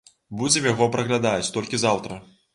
Будзем яго праглядаць толькі заўтра.